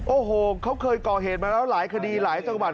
โอ้โหเขาเคยก่อเหตุมาแล้วหลายคดีหลายจังหวัด